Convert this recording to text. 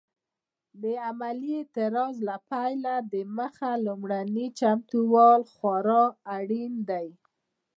د عملي اعتراض له پیل دمخه لومړني چمتووالي خورا اړین دي.